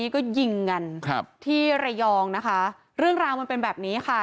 ก็ยิงกันครับที่ระยองนะคะเรื่องราวมันเป็นแบบนี้ค่ะ